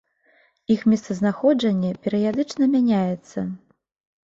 Іх месцазнаходжанне перыядычна мяняецца.